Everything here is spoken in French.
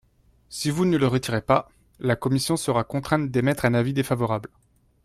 Si vous ne le retirez pas, la commission sera contrainte d’émettre un avis défavorable.